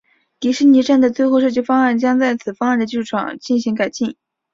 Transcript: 迪士尼站的最后设计方案将在此方案的基础上进行改进。